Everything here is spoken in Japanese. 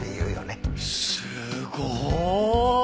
すごーい！